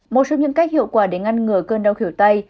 một trong những cách hiệu quả để ngăn ngừa cơn đau khỉu tay